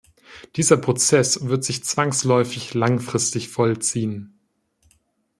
Dieser Prozess wird sich zwangsläufig langfristig vollziehen.